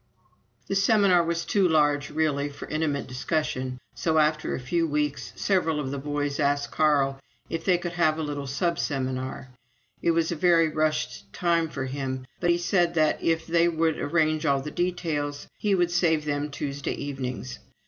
The seminar was too large, really, for intimate discussion, so after a few weeks several of the boys asked Carl if they could have a little sub seminar. It was a very rushed time for him, but he said that, if they would arrange all the details, he would save them Tuesday evenings.